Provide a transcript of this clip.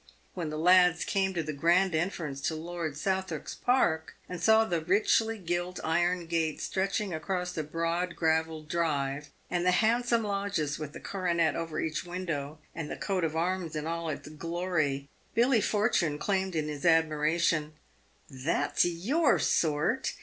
"When the lads came to the grand entrance to Lord Southwark' s park, and saw the richly gilt iron gates stretching across the broad gravelled drive, and the hand some lodges with the coronet over each window, and the coat of arms in all its glory, Billy Fortune exclaimed in his admiration, " That's your sort